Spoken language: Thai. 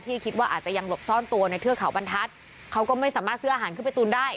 คิดว่าอาจจะยังหลบซ่อนตัวในเทือกเขาบรรทัศน์เขาก็ไม่สามารถซื้ออาหารขึ้นไปตูนได้